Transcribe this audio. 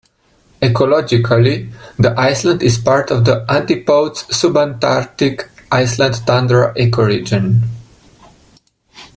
Ecologically, the island is part of the Antipodes Subantarctic Islands tundra ecoregion.